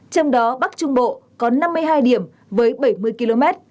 trong đó bắc trung bộ có năm mươi hai điểm với bảy mươi km